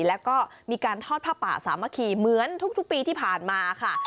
แล้วก็มีการทอดผ้าป่าสามัคคีเหมือนทุกปีที่ผ่านมาค่ะ